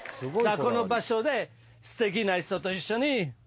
この場所で素敵な人と一緒にこれですね。